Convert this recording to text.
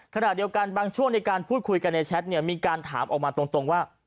ขณะเดียวกันบางช่วงในการพูดคุยกันในแชทเนี่ยมีการถามออกมาตรงว่า